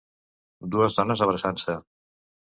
Dues dones abraçant-se.